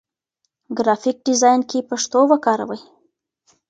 ګرافيک ډيزاين کې پښتو وکاروئ.